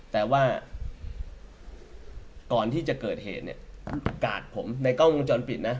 แต่ว่าก่อนที่จะเกิดเหตุเนี่ยกาดผมในกล้องวงจรปิดนะ